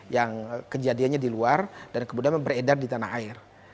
yang kejadiannya di luar dan kemudian beredar di tanah air